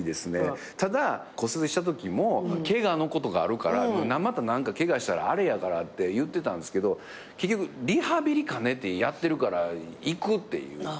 ただ骨折したときもケガのことがあるからまたケガしたらあれやからって言ってたんですけど結局リハビリ兼ねてやってるから行くって言って。